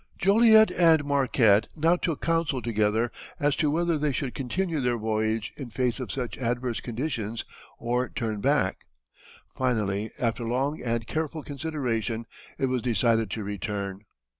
Joliet and Marquette now took counsel together as to whether they should continue their voyage in face of such adverse conditions or turn back. Finally, after long and careful consideration it was decided to return.